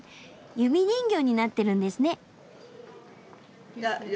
指人形になってるんですね。